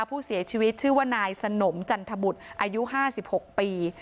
ผู้เสียชีวิตชื่อว่านายสนมจันทบุตรอายุ๕๖ปี